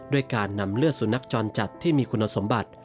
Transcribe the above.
ด้วยการนำเลือดสุนัขจรจัดที่มีคุณสมบัติ